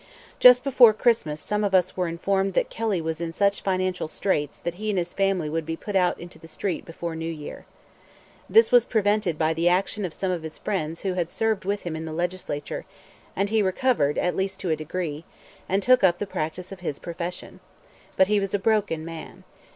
Just before Christmas some of us were informed that Kelly was in such financial straits that he and his family would be put out into the street before New Year. This was prevented by the action of some of his friends who had served with him in the Legislature, and he recovered, at least to a degree, and took up the practice of his profession. But he was a broken man.